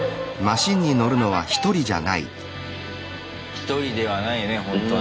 独りではないねほんとね。